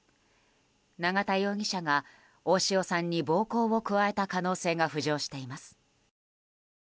永田容疑者が、大塩さんに暴行を加えた疑いが浮上しています。